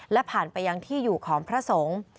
และผ่านไปยังที่อยู่ของพระสงฆ์